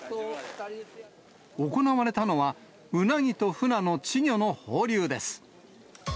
行われたのは、ウナギとフナの稚魚の放流です。